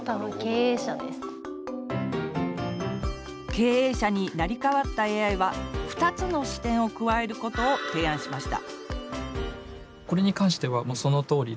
経営者に成り代わったＡＩは２つの視点を加えることを提案しました